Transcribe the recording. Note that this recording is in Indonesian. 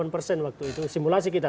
delapan persen waktu itu simulasi kita